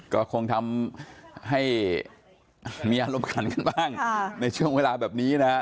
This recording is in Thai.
ก็คงทำให้มีอารมณ์ขันกันบ้างในช่วงเวลาแบบนี้นะฮะ